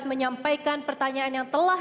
menyampaikan pertanyaan yang telah